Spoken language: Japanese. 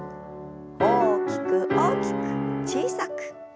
大きく大きく小さく。